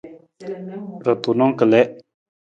Ra tunang kalii.